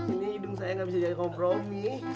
ini hidung saya gak bisa jadi kompromi